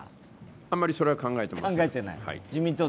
あまりそれは考えてません。